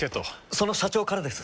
その社長からです。